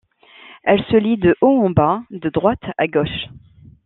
Elle se lit de haut en bas, de droite à gauche.